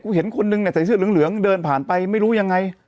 เห็นคนนึงเนี่ยใส่เสื้อเหลืองเดินผ่านไปไม่รู้ยังไง